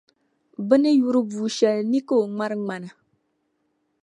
Bɛ ni yuri bua shɛli ni ka o ŋmari ŋmana.